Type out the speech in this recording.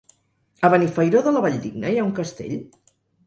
A Benifairó de la Valldigna hi ha un castell?